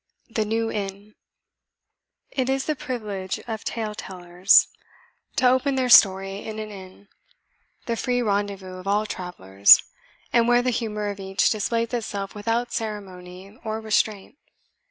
THE NEW INN. It is the privilege of tale tellers to open their story in an inn, the free rendezvous of all travellers, and where the humour of each displays itself without ceremony or restraint.